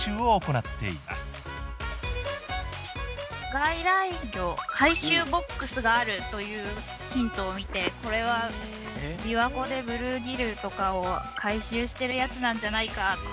外来魚回収ＢＯＸがあるというヒントを見てこれは琵琶湖でブルーギルとかを回収してるやつなんじゃないか。